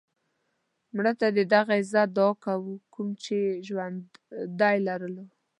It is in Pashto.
مړه ته د هغه عزت دعا کوو کوم یې چې ژوندی لرلو